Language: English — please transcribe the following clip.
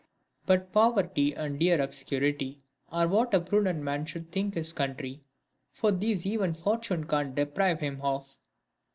" But poverty and dear obscurity, Are what a prudent man should think his country ; For these e'en fortune can't deprive him of."